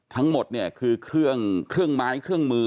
ทั้งหมดเนี่ยคือเครื่องเครื่องไม้เครื่องมือ